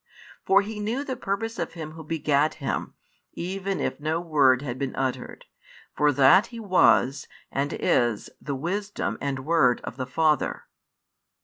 For He knew the purpose of Him Who begat Him, even if no word had been uttered, for that He was and is the Wisdom and Word of the Father.